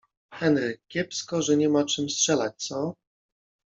- Henry, kiepsko że nie ma czym strzelać, co?